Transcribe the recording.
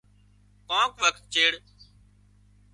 ڪانڪ وکت چيڙ